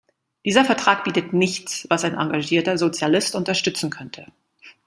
Dieser Vertrag bietet nichts, was ein engagierter Sozialist unterstützen könnte.